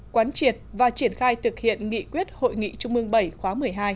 quán triệt và triển khai thực hiện nghị quyết hội nghị trung mương bảy khóa một mươi hai